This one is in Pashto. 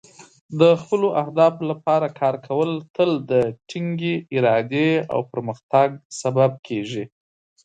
د خپلو اهدافو لپاره کار کول تل د ټینګې ارادې او پرمختګ سبب کیږي.